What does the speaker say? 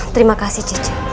terima kasih cece